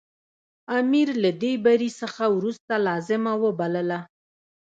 امیر له دې بري څخه وروسته لازمه وبلله.